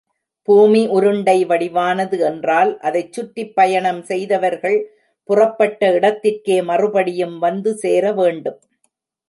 பூமி உருண்டை வடிவானது என்றால், அதைச் சுற்றிப் பயணம் செய்தவர்கள் புறப்பட்ட இடத்திற்கே மறுபடியும் வந்த சேரவேண்டும்!